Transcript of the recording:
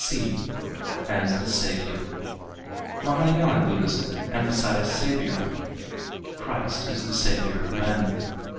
(c) As the Saviour.—Mahayâna Buddhism emphasized saviourhood. Christ is the saviour of men.